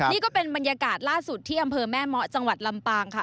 นี่ก็เป็นบรรยากาศล่าสุดที่อำเภอแม่เมาะจังหวัดลำปางค่ะ